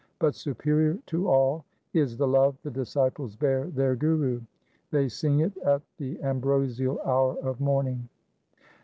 But superior to all is the love the disciples bear their Guru. They sing it at the ambrosial hour of morning.